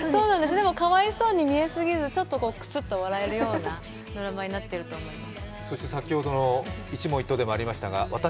でも、かわいそうに見えすぎずクスッと笑えるようなドラマになっていると思います。